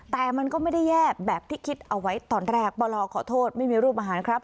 แต่มันก็ไม่ได้แย่แบบที่คิดเอาไว้ตอนแรกปลขอโทษไม่มีรูปอาหารครับ